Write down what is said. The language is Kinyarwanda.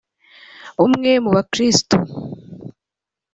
umwe mubakirisitu